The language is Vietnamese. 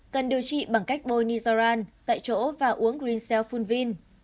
cần điều trị bằng cách bôi nisoran tại chỗ và uống green cell phunvin